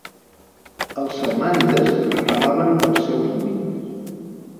Els samànides reclamaven els seus dominis.